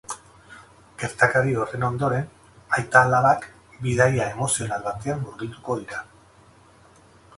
Gertakari horren ondoren aita-alabak bidaia emozional batean murgilduko dira.